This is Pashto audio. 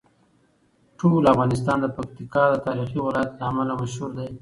ټول افغانستان د پکتیکا د تاریخي ولایت له امله مشهور دی.